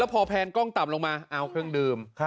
พอแพนกล้องต่ำลงมาเอาเครื่องดื่ม